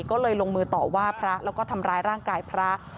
ก็เลยลงมือต่อว่าพระแล้วก็ทำร้ายร่างกายพระ